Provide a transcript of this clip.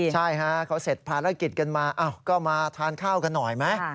ใช่ฮะเขาเสร็จภารกิจกันมาก็มาทานข้าวกันหน่อยไหม